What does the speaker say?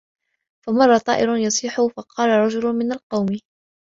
فَمَرَّ طَائِرٌ يَصِيحُ فَقَالَ رَجُلٌ مِنْ الْقَوْمِ